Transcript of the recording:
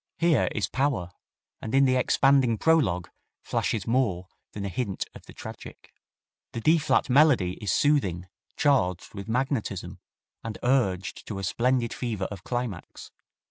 Here is power, and in the expanding prologue flashes more than a hint of the tragic. The D flat Melody is soothing, charged with magnetism, and urged to a splendid fever of climax.